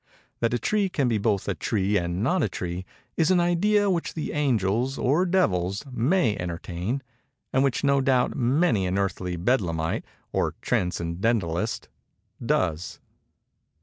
That a tree can be both a tree and not a tree, is an idea which the angels, or the devils, may entertain, and which no doubt many an earthly Bedlamite, or Transcendentalist, does.